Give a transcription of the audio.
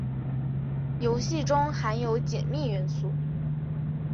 游戏中含有解密元素。